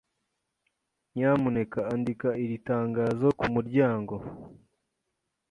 Nyamuneka andika iri tangazo kumuryango.